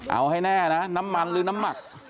เอาให้แน่นะน้ำมันหรือน้ำหมัก